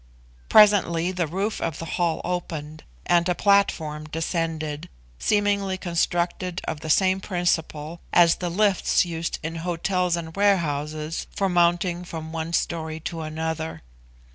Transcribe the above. Presently the roof of the hall opened, and a platform descended, seemingly constructed on the same principle as the 'lifts' used in hotels and warehouses for mounting from one story to another.